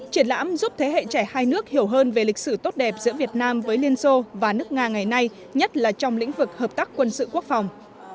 triển lãm giúp thế hệ trẻ hai nước hiểu hơn về lịch sử tốt đẹp giữa việt nam với liên xô và nước nga ngày nay nhất là trong lĩnh vực hợp tác quân sự quốc phòng